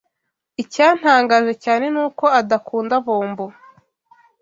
Icyantangaje cyane nuko adakunda bombo.